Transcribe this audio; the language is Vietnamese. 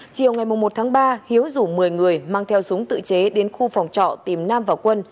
chiều ngày một tháng ba hiếu rủ một mươi người mang theo súng tự chế đến khu phòng trọ tìm nam và quân